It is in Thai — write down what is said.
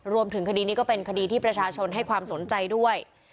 รวมถึงคดีนี้ก็เป็นคดีที่ประชาชนให้ความสนใจด้วย